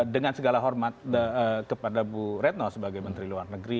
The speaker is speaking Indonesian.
dengan segala hormat kepada bu retno sebagai menteri luar negeri